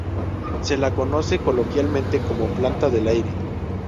Se la conoce coloquialmente como "planta del aire".